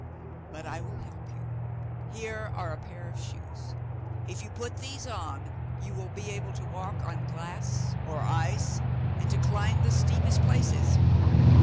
But I will help you. Here are a pair of shoes. If you put these on you will be able to walk on glass or ice, and to climb the steepest places.